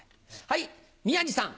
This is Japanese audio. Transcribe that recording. はい宮治さん。